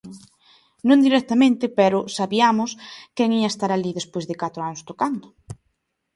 Non directamente, pero sabiamos quen ía estar alí despois de catro anos tocando.